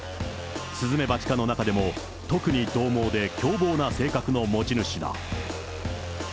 スズメバチ科の中でも特にどう猛で凶暴な性格の持ち主だ。